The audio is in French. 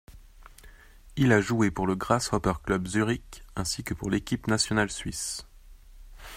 Il a joué pour le Grasshopper-Club Zurich ainsi que pour l'équipe nationale suisse.